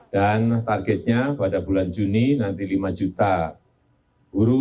dan targetnya pada bulan juni nanti lima juta guru